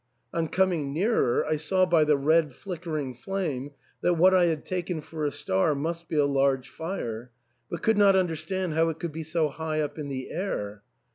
On coming nearer I saw by the red flickering flame that what I had taken for a star must be a large fire, but could not understand how it could be so high up in the air.